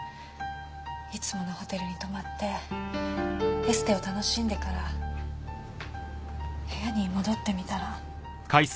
いつものホテルに泊まってエステを楽しんでから部屋に戻ってみたら。